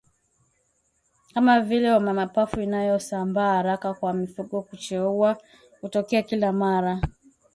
kama vile Homa ya Mapafu inayosambaa haraka kwa mifugo kucheua hutokea kila mara